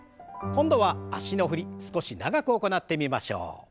今度は脚の振り少し長く行ってみましょう。